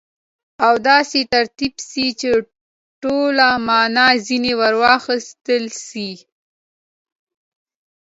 او داسي ترتیب سي، چي ټوله مانا ځني واخستل سي.